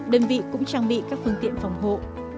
đơn vị cũng trang bị các phương tiện phòng hộ